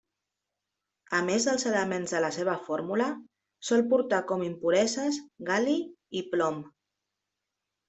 A més dels elements de la seva fórmula, sol portar com impureses: gal·li i plom.